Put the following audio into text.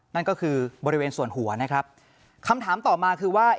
นั่นก็คือบริเวณส่วนหัวนะครับคำถามต่อมาคือว่า